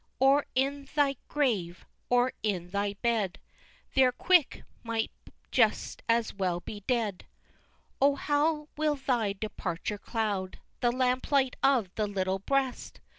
Or in thy grave, or in thy bed! There's Quick might just as well be dead! XVII. Oh, how will thy departure cloud The lamplight of the little breast!